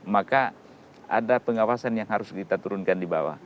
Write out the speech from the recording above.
maka ada pengawasan yang harus kita turunkan di bawah